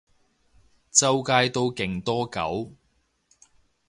周街都勁多狗